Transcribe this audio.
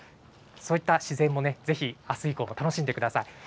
そういった自然もぜひ、あす以降も楽しんでください。